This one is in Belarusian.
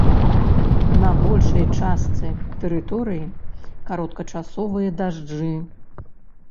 На большай частцы тэрыторыі кароткачасовыя дажджы.